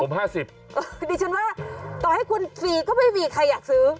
ผมห้าสิบดิฉันว่าต่อให้คุณฟรีก็ไม่ฟรีใครอยากซื้อ